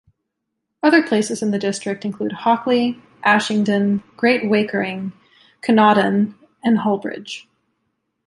Other places in the district include Hockley, Ashingdon, Great Wakering, Canewdon and Hullbridge.